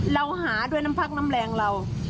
เราหาด้วยน้ำพักน้ำแรงเรา